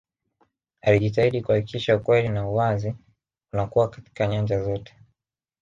alijitahidi kuhakikisha ukweli na uwazi unakuwa katika nyanja zote